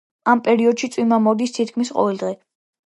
ამ პერიოდში წვიმა მოდის თითქმის ყოველდღე.